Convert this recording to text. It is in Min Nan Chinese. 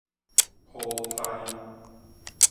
普篩